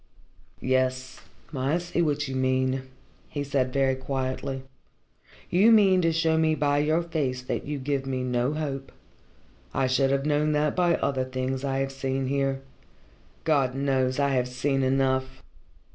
"Yes, I see what you mean," he said, very quietly. "You mean to show me by your face that you give me no hope. I should have known that by other things I have seen here. God knows, I have seen enough!